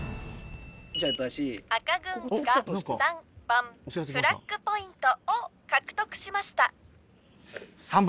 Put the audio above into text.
赤軍が３番フラッグポイントを獲得しました。